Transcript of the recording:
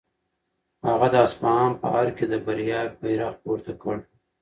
هغه د اصفهان په ارګ کې د بریا بیرغ پورته کړ.